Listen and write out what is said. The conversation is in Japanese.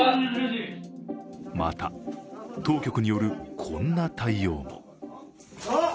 また、当局によるこんな対応も。